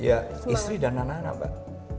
ya istri dan anak anak mbak